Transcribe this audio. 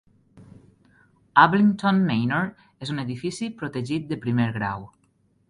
Ablington Manor és un edifici protegit de primer grau.